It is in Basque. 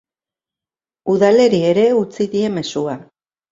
Udaleri ere utzi die mezua.